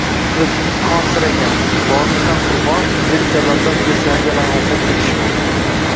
Qilichimiz qonsiragan, bormisan qurbon, deb jallodlar qilichlarini yalang‘ochlab kelishibdi